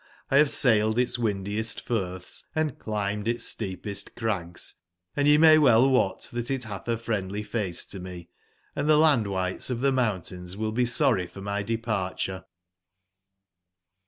X have sailed its windiest firths, and climbed its steepest crags ; and ye may well wot that it hath a friendly face to me; and the land/wights of the mountains will be sorry for my departure.